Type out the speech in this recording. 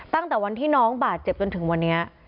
ตั้งแต่วันที่น้องบาดเจ็บจนถึงวันนี้